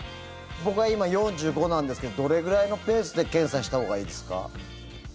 僕は今４５なんですけどどれぐらいのペースで検査したほうがいいですか？